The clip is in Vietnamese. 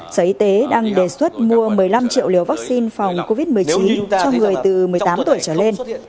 sở y tế đang đề xuất mua một mươi năm triệu liều vaccine phòng covid một mươi chín cho người từ một mươi tám tuổi trở lên